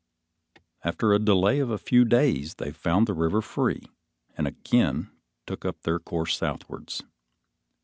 After a delay of a few days, they found the river free, and again took up their course southwards.